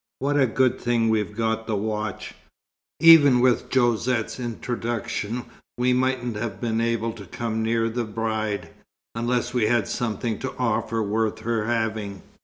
What a good thing we've got the watch! Even with Josette's introduction we mightn't have been able to come near the bride, unless we had something to offer worth her having."